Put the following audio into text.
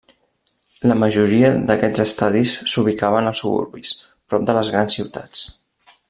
La majoria d'aquests estadis s'ubicaven als suburbis, prop de les grans ciutats.